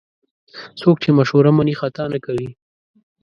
څوک چې مشوره مني، خطا نه کوي.